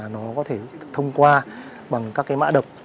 nó có thể thông qua bằng các mã đập